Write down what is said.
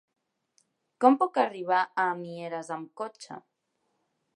Com puc arribar a Mieres amb cotxe?